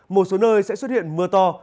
một số nơi sẽ xuất hiện mưa to